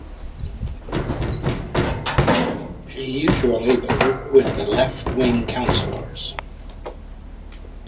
She usually voted with the left wing councillors.